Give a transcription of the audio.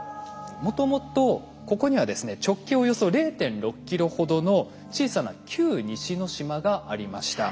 もともとここにはですね直径およそ０．６ｋｍほどの小さな旧西之島がありました。